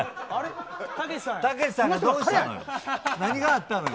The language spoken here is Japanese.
たけしさんがどうしたのよ。